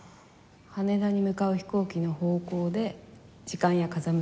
羽田に向かう飛行機の方向で時間や風向きがわかる事。